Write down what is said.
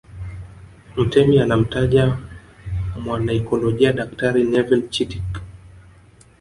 Mtemi anamtaja mwanaikolojia Daktari Neville Chittick